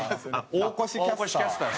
大越キャスター。